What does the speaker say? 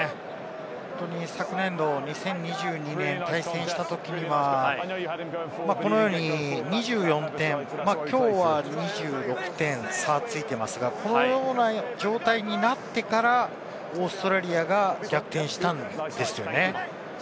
昨年度、２０２２年、対戦したときはこのように２４点、きょうは２６点差ついていますが、このような状態になってから、オーストラリアが逆転したんですよね。